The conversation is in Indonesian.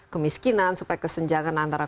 kemiskinan supaya kesenjangan antara